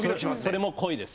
それも恋です。